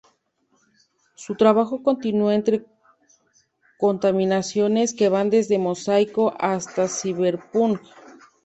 Su trabajo continúa entre contaminaciones que van desde mosaico hasta cyberpunk.